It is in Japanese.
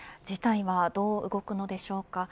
事態はどう動くのでしょうか。